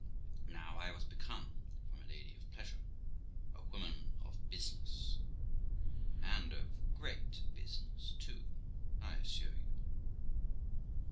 Now I was become, from a lady of pleasure, a woman of business, and of great business too, I assure you.